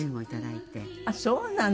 あっそうなの！